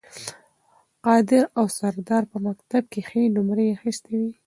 قادر او سردار په مکتب کې ښې نمرې اخیستې وې